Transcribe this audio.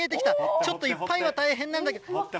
ちょっと、いっぱいは大変なんだけども。